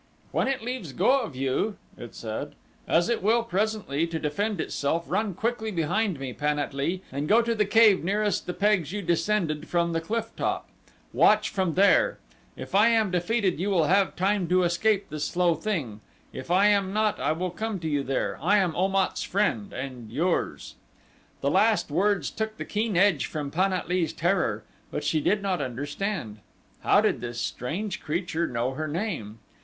"When it leaves go of you," it said, "as it will presently to defend itself, run quickly behind me, Pan at lee, and go to the cave nearest the pegs you descended from the cliff top. Watch from there. If I am defeated you will have time to escape this slow thing; if I am not I will come to you there. I am Om at's friend and yours." The last words took the keen edge from Pan at lee's terror; but she did not understand. How did this strange creature know her name?